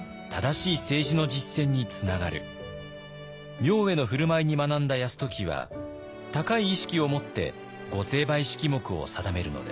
明恵の振る舞いに学んだ泰時は高い意識を持って御成敗式目を定めるのです。